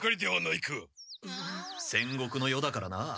戦国の世だからな。